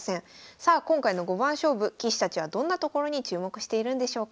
さあ今回の五番勝負棋士たちはどんなところに注目しているんでしょうか。